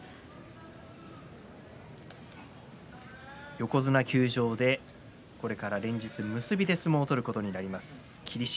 横綱休場でこれから連日、結びで相撲を取ることになります霧島。